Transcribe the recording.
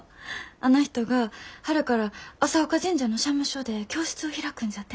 あの人が春から朝丘神社の社務所で教室を開くんじゃてえ。